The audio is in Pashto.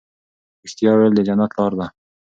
رښتیا ویل د جنت لار ده.